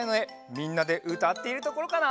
みんなでうたっているところかな？